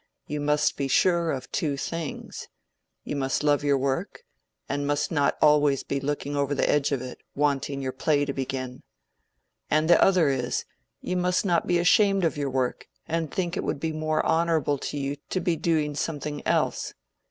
"You must be sure of two things: you must love your work, and not be always looking over the edge of it, wanting your play to begin. And the other is, you must not be ashamed of your work, and think it would be more honorable to you to be doing something else.